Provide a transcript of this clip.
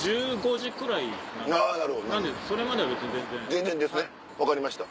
全然ですね分かりました。